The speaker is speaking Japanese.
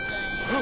あ！